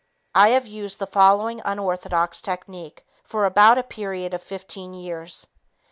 I have used the following unorthodox technique for about a period of 15 years.